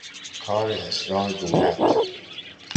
کار اصلاح دولت